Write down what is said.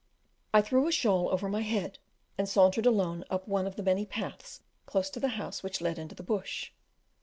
I threw a shawl over my head, and sauntered alone up one of the many paths close to the house which led into the Bush.